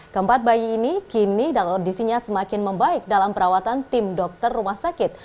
kempat bayi ini kini dan odisinya semakin membaik dalam perawatan tim dokter rumah sakit